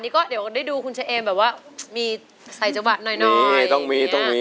ก็ให้ดูคุณเฉเอมแบบว่าตอนนี้มีใส่จังหวัดหน่อย